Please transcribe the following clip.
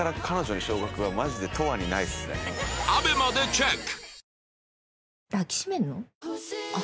ＡＢＥＭＡ でチェック